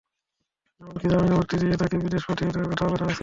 এমনকি জামিনে মুক্তি দিয়ে তাঁকে বিদেশে পাঠিয়ে দেওয়ার কথাও আলোচনায় ছিল।